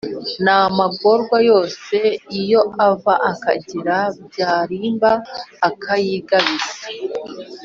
n' amagorwa yose iyo ava akagera, byarimba akayigabiza